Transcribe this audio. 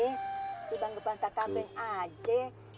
dibangga bangga kambing aja